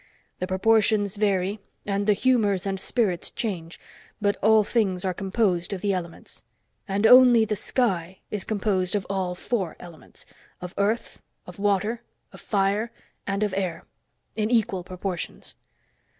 The proportions vary and the humors and spirits change but all things are composed of the elements. And only the sky is composed of all four elements of earth, of water, of fire and of air in equal proportions.